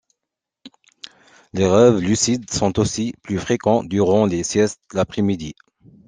Les rêves lucides sont aussi plus fréquents durant les siestes l'après-midi.